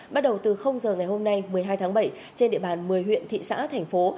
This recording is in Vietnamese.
bắt đầu từ giờ ngày hôm nay một mươi hai tháng bảy trên địa bàn một mươi huyện thị xã thành phố